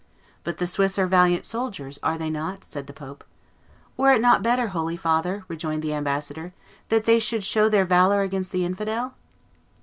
"But the Swiss are valiant soldiers, are they not?" said the pope. "Were it not better, holy father," rejoined the ambassador, "that they should show their valor against the infidel?"